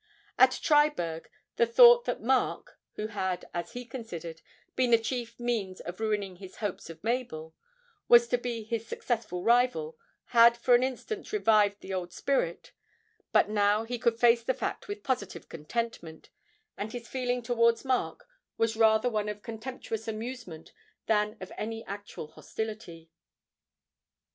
At Triberg the thought that Mark (who had, as he considered, been the chief means of ruining his hopes of Mabel) was to be his successful rival had for an instant revived the old spirit; but now he could face the fact with positive contentment, and his feeling towards Mark was rather one of contemptuous amusement than of any actual hostility.